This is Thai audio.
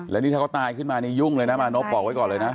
แล้วนี่ถ้าเขาตายขึ้นมานี่ยุ่งเลยนะมานพบอกไว้ก่อนเลยนะ